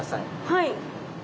はい。